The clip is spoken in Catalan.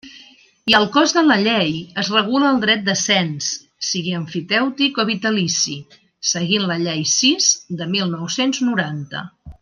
I al cos de la llei, es regula el dret de cens, sigui emfitèutic o vitalici, seguint la Llei sis de mil nou-cents noranta.